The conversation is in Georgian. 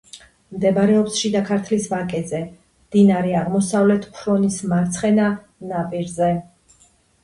მდებარეობს შიდა ქართლის ვაკეზე, მდინარე აღმოსავლეთ ფრონის მარცხენა ნაპირზე.